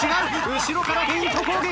後ろからフェイント攻撃！